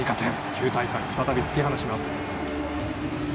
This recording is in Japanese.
９対３と再び突き放します。